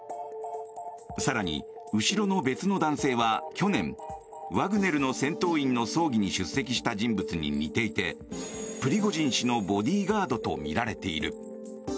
更に、後ろの別の男性は去年、ワグネルの戦闘員の葬儀に出席した人物に似ていてプリゴジン氏のボディーガードとみられている。